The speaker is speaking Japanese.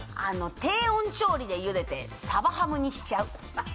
低温調理でゆでてサバハムにしちゃう。